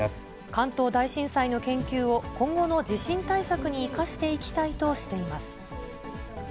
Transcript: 関東大震災の研究を今後の地震対策に生かしていきたいとしています。